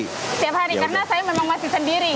setiap hari karena saya memang masih sendiri